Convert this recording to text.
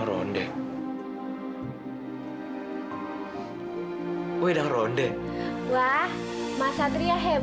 k relate dalam suku bukuku